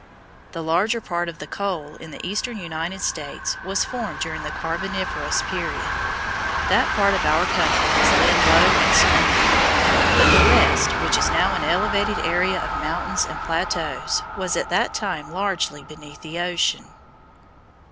The larger part of the coal in the eastern United States was formed during the Carboniferous period. That part of our country was then low and swampy; but the West, which is now an elevated area of mountains and plateaus, was at that time largely beneath the ocean.